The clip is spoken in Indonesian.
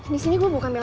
di sini gue bukannya